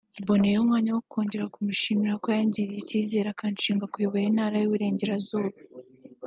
Mboneraho n’umwanya wo kongera kumushimira ko yangiriye icyizere akanshinga kuyobora Intara y’Iburengerazuba